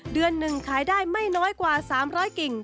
เดือนหนึ่งขายได้ไม่น้อยกว่า๓๐๐กิ่ง